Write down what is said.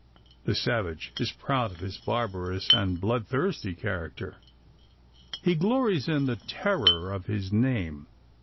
The savage is proud of his barbarous and bloodthirsty character: he glories in the terror of his name!